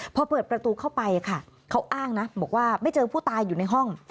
พอเปิดประตูเข้าไปค่ะเขาอ้างนะบอกว่าไม่เจอผู้ตายอยู่ในห้อง